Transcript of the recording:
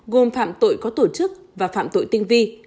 gồm phạm tội có tổ chức và phạm tội tinh vi